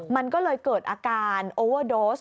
มันก็เลยเกิดอาการโอเวอร์โดส